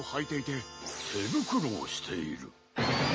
てぶくろをしている。